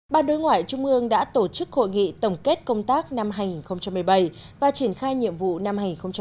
ban đối ngoại trung ương đã tổ chức hội nghị tổng kết công tác năm hai nghìn một mươi bảy và triển khai nhiệm vụ năm hai nghìn một mươi chín